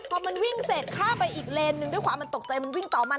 พอมันวิ่งเสร็จข้ามไปอีกเลนหนึ่งด้วยความมันตกใจมันวิ่งต่อมัน